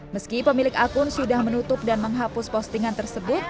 meski pemilik akun sudah menutup dan menghapus postingan tersebut